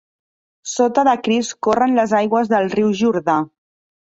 Sota de Crist corren les aigües del riu Jordà.